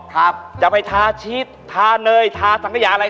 ทาชีสทาเนยทาสักอย่างอะไร